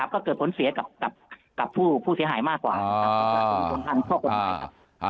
ก็เกิดผลเสียกับผู้เสียหายมากกว่า